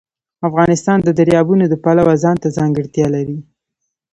افغانستان د دریابونه د پلوه ځانته ځانګړتیا لري.